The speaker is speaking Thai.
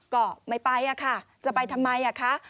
ก็ไม่ไปอะค่ะจะไปทำไมคะ